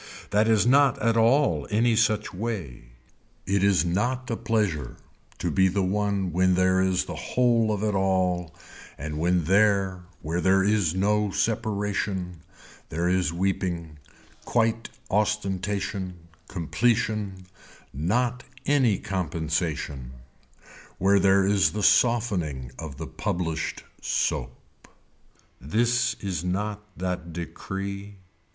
That is not at all any such way. It is not a pleasure to be the one when there is the whole of it all and when there where there is no separation there is weeping, quite ostentation, completion, not any compensation, where there is the softening of the published soap. This is not that decree.